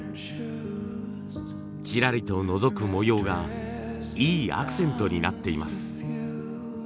ちらりとのぞく模様がいいアクセントになっています。